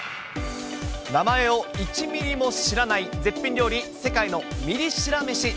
名前を１ミリも知らない絶品料理、世界のミリ知ら飯。